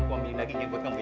aku ambil dagingnya buat kamu